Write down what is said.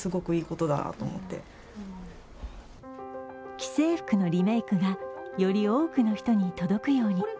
既製服のリメークがより多くの人に届くように。